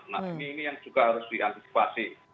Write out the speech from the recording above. nah ini yang juga harus diantisipasi